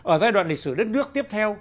ở giai đoạn lịch sử đất nước tiếp theo